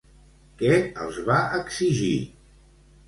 Què els va exigir?